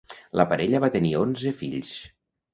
La parella va tenir onze fills.